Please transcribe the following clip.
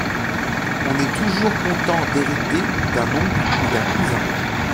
On est toujours content d'hériter … d'un oncle ou d'un cousin.